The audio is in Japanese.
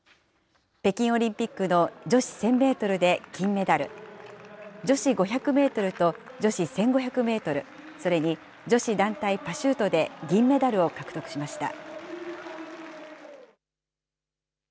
北京オリンピックの女子１０００メートルで金メダル、女子５００メートルと女子１５００メートル、それに女子団体パシュートで銀メダルを獲得しました。